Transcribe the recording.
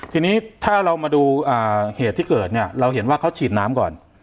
ทีนี้ถ้าเรามาดูเหตุที่เกิดเนี่ยเราเห็นว่าเขาฉีดน้ำก่อน